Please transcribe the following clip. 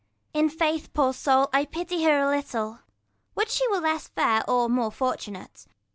Ragan. In faith, poor soul, I pity her a little. Would she were less fair, or more fortunate.